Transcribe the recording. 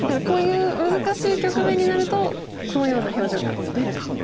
こういう難しい局面になるとこのような表情が出ると。